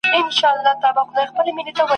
لا د پلار کیسه توده وي چي زوی خپل کوي نکلونه ..